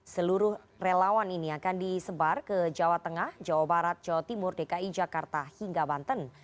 seluruh relawan ini akan disebar ke jawa tengah jawa barat jawa timur dki jakarta hingga banten